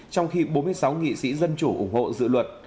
trong khi bốn mươi sáu nghị sĩ dân chủ ủng hộ dự luật